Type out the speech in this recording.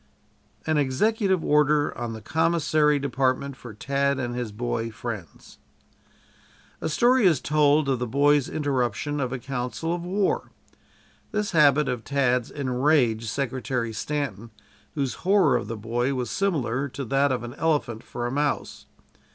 AN EXECUTIVE ORDER ON THE COMMISSARY DEPARTMENT FOR TAD AND HIS BOY FRIENDS A story is told of the boy's interruption of a council of war. This habit of Tad's enraged Secretary Stanton, whose horror of the boy was similar to that of an elephant for a mouse.